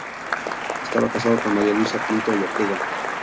Estaba casado con María Luisa Pinto y Ortega.